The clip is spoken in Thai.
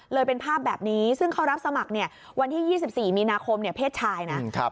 เลยเป็นภาพแบบนี้ซึ่งเขารับสมัครเนี่ยวันที่๒๔มีนาคมเนี่ยเพศชายนะ